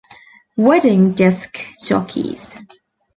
Wedding disc jockeys.